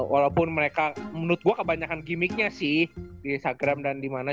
walaupun mereka menurut gua kebanyakan gimmicknya sih di instagram dan dimana